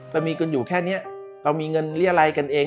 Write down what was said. จะมีกันอยู่แค่นี้เรามีเงินเรียรัยกันเอง